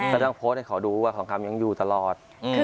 ก็ต้องโพสต์ให้เขาดูว่าทองคำยังอยู่ตลอด